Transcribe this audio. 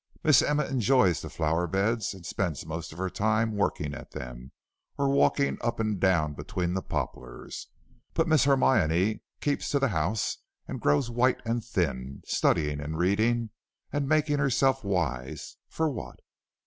Miss Emma enjoys the flower beds and spends most of her time working at them or walking up and down between the poplars, but Miss Hermione keeps to the house and grows white and thin, studying and reading, and making herself wise for what?